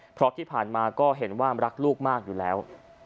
เพราะที่ผ่านมาก็เห็นว่ารักลูกมากอยู่แล้ว